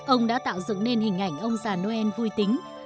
ông đã tạo dựng nên hình ảnh ông già noel vui tính